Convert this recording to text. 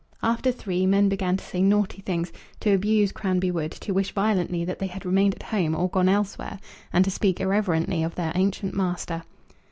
After three, men began to say naughty things, to abuse Cranby Wood, to wish violently that they had remained at home or gone elsewhere, and to speak irreverently of their ancient master.